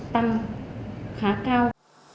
tăng khá cao